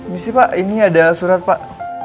bisa pak ini ada surat pak